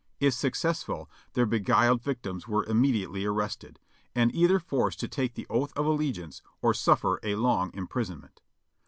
If suc cessful their beguiled victims were immediately arrested, and either forced to take the oath of allegiance or suffer a long impris onment.